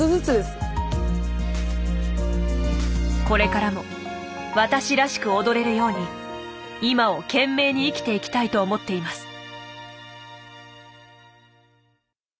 これからも私らしく踊れるように今を懸命に生きていきたいと思っています。